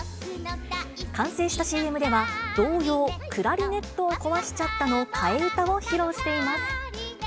完成したＣＭでは、同様、クラリネットをこわしちゃったの替え歌を披露しています。